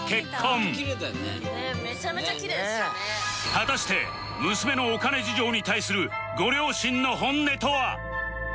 果たして娘のお金事情に対するご両親の本音とは？